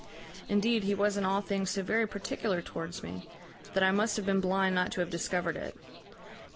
Indeed he was in all things so very particular towards me, that I must have been blind not to have discovered it.